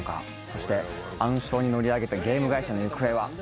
そして暗礁に乗り上げたゲーム会社の行方は？